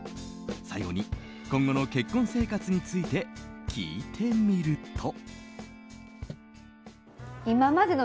最後に、今後の結婚生活について聞いてみると。